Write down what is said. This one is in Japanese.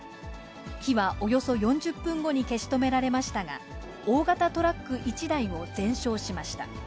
火はおよそ４０分後に消し止められましたが、大型トラック１台を全焼しました。